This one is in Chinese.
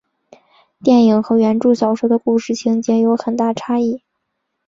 电影和原着小说的故事情节间有很大差异。